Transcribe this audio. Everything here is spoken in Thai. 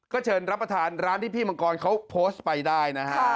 ก็เชิญรับประทานร้านที่พี่มังกรเขาโพสต์ไปได้นะฮะ